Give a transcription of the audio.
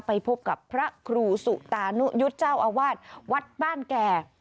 ไปพบกับพระครูสุตานุยุทธ์เจ้าอาวาสวัดบ้านแก่